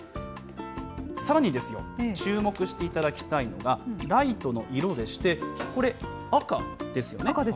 さらにですよ、注目していただきたいのが、ライトの色でして、赤ですね。